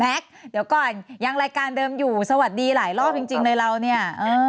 เดี๋ยวก่อนยังรายการเดิมอยู่สวัสดีหลายรอบจริงเลยเราเนี่ย